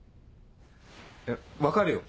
分かるよ